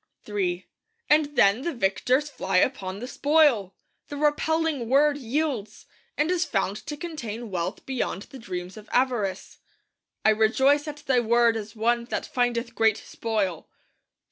III And then the victors fly upon the spoil! The repelling Word yields, and is found to contain wealth beyond the dreams of avarice. 'I rejoice at Thy Word as one that findeth great spoil.'